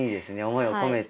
思いを込めて。